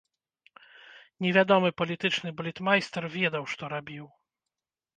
Невядомы палітычны балетмайстар ведаў, што рабіў.